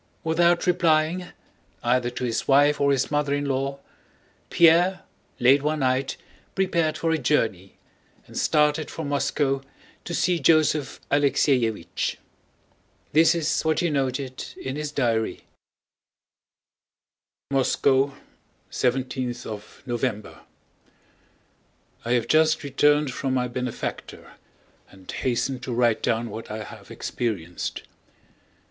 Without replying either to his wife or his mother in law, Pierre late one night prepared for a journey and started for Moscow to see Joseph Alexéevich. This is what he noted in his diary: Moscow, 17th November I have just returned from my benefactor, and hasten to write down what I have experienced.